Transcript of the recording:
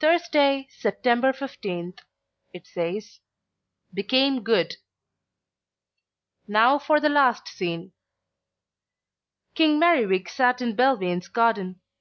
"Thursday, September 15th," it says. "Became good." Now for the last scene. King Merriwig sat in Belvane's garden.